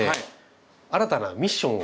新たなミッションを。